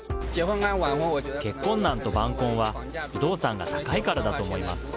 結婚難と晩婚は、不動産が高いからだと思います。